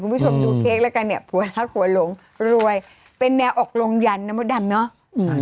คุณผู้ชมดูเค้กแล้วกันเนี่ยผัวรักผัวหลงรวยเป็นแนวออกลงยันนะมดดำเนาะ